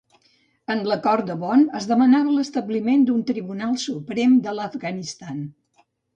En l'Acord de Bonn es demanava l'establiment d'un Tribunal Suprem de l'Afganistan.